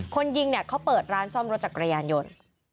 คนยิงเนี่ยเขาเปิดร้านซ่อมรถจักรยานยนต์